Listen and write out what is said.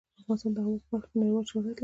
افغانستان د هوا په برخه کې نړیوال شهرت لري.